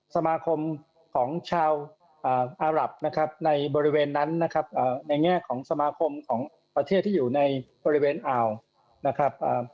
สมาคมของชาวอารับนะครับในบริเวณนั้นนะครับในแง่ของสมาคมของประเทศที่อยู่ในบริเวณอ่าวนะครับ